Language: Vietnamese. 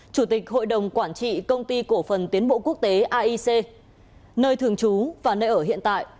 một nghìn chín trăm sáu mươi chín chủ tịch hội đồng quản trị công ty cổ phần tiến bộ quốc tế aic nơi thường trú và nơi ở hiện tại